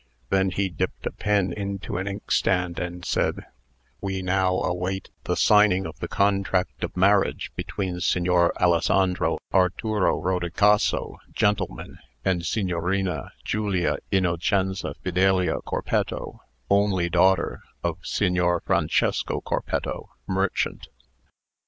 Then he dipped a pen into an inkstand, and said: "We now await the signing of the contract of marriage between Signor Alessandro Arturo Rodicaso, gentleman, and Signorina Giulia Innocenza Fidelia Corpetto, only daughter of Signor Francesco Corpetto, merchant."